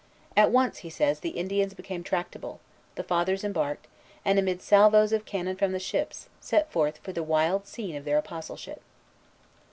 At once, he says, the Indians became tractable; the Fathers embarked, and, amid salvos of cannon from the ships, set forth for the wild scene of their apostleship.